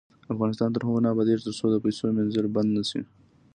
افغانستان تر هغو نه ابادیږي، ترڅو د پیسو مینځل بند نشي.